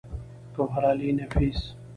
ګوهرعلي نفيس